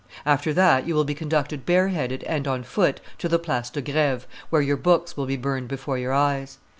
After that, you will be conducted bareheaded and on foot to the Place de Greve, where your books will be burned before your eyes.